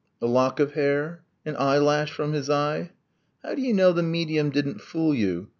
A lock of hair? An eyelash from his eye? How do you know the medium didn't fool you?